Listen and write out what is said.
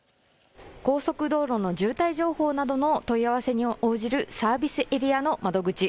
高速道路の渋滞情報などの問い合わせに応じるサービスエリアの窓口。